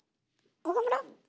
岡村。